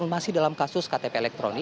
masih dalam kasus ktp elektronik